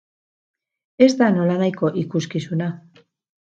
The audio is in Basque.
Ez da nolanahiko ikuskizuna.